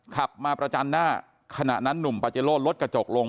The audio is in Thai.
ขับมาประจันหน้าขณะนั้นหนุ่มปาเจโร่รถกระจกลง